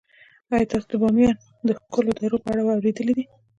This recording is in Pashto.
آیا تاسو د بامیان د ښکلو درو په اړه اوریدلي دي؟